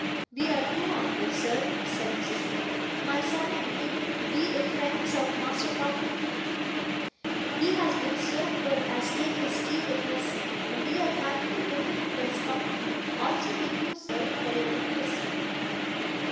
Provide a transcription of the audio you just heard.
'We are too umble, sir,' said Mrs. Heep, 'my son and me, to be the friends of Master Copperfield. He has been so good as take his tea with us, and we are thankful to him for his company, also to you, sir, for your notice.